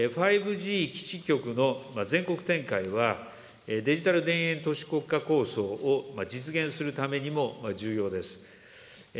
５Ｇ基地局の全国展開は、デジタル田園都市国家構想を実現するためにも重要です。